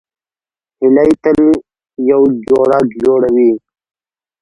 هیلۍ تل یو جوړه جوړوي